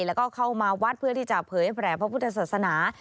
แล้วก็เข้ามาวัดเพื่อที่จะเผยแผลพระพุทธศาสนา